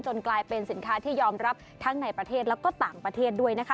จนกลายเป็นสินค้าที่ยอมรับทั้งในประเทศและต่ำประเทศด้วย